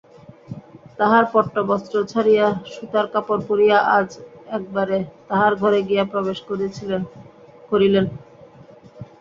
তাঁহার পট্টবস্ত্র ছাড়িয়া সুতার কাপড় পরিয়া আজ একেবারে তাহার ঘরে গিয়া প্রবেশ করিলেন।